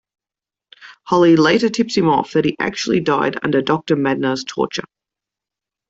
Holly later tips him off that he actually died under Doctor Madnar's torture.